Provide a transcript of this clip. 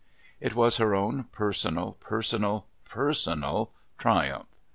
It was her own personal, personal, personal triumph.